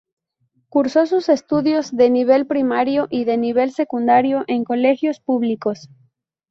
Cursó sus estudios de nivel primario y de nivel secundario en colegios públicos.